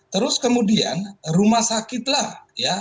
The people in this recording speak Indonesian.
terus kemudian rumah sakit lah ya